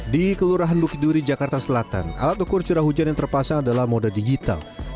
di kelurahan bukiduri jakarta selatan alat ukur curah hujan yang terpasang adalah mode digital